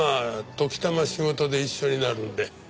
時たま仕事で一緒になるんで。